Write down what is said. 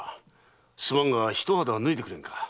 すまんが一肌脱いでくれんか？